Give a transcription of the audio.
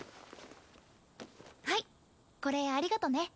はいこれありがとね。